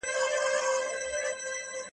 کشپ وویل خبره مو منمه`